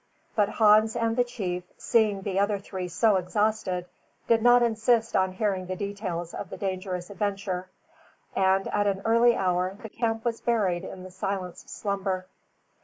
But Hans and the chief, seeing the other three so exhausted, did not insist on hearing the details of the dangerous adventure; and at an early hour the camp was buried in the silence of slumber.